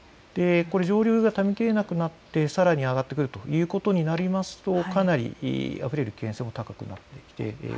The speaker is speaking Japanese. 上流がためきれなくなってさらに上がってくるということになるとかなりあふれる危険性は高くなってきています。